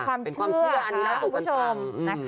อันนี้เป็นความเชื่อค่ะคุณผู้ชม